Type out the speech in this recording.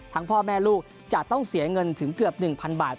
พ่อแม่ลูกจะต้องเสียเงินถึงเกือบ๑๐๐๐บาท